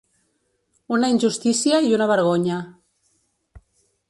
Una injustícia i una vergonya.